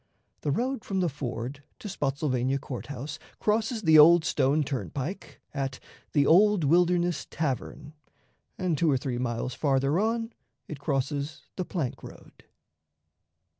The road from the ford to Spottsylvania Court House crosses the Old Stone Turnpike at the "Old Wilderness Tavern," and, two or three miles farther on, it crosses the plank road.